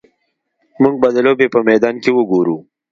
موږ به د لوبې په میدان کې وګورو